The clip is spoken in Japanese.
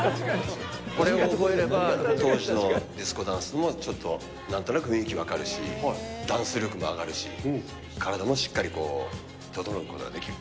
これを覚えれば、当時のディスコダンスもちょっとなんとなく雰囲気分かるし、ダンス力も上がるし、体もしっかり整うことができる。